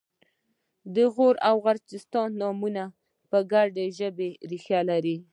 د غور او غرجستان نومونه یوه ګډه ژبنۍ ریښه لري